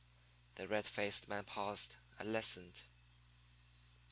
The red faced man paused and listened.